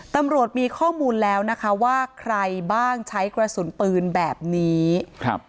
ตำรวจมีข้อมูลแล้วนะคะว่าใครบ้างใช้กระสุนปืนแบบนี้ครับ